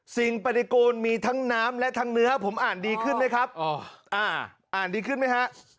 สิ่งปฏิกูลมีทั้งน้ำและทั้งเนื้อผมอ่านดีขึ้นไหมครับอ่านดีขึ้นไหมฮะ